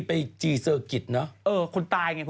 มันเลิศจริง